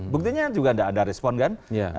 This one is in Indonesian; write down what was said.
buktinya juga tidak ada respon kan